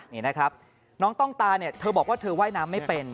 นี่นะครับน้องต้องตาเนี่ยเธอบอกว่าเธอว่ายน้ำไม่เป็น